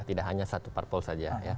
tidak hanya satu parpol saja